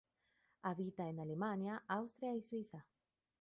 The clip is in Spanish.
Habita en Alemania, Austria y Suiza.